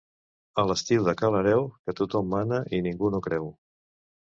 A l'estiu de ca l'Hereu, que tothom mana i ningú no creu.